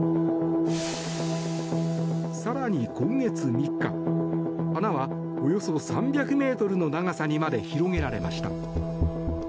更に、今月３日穴はおよそ３００ｍの長さにまで広げられました。